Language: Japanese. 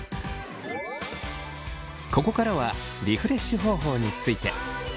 ここからはリフレッシュ方法について。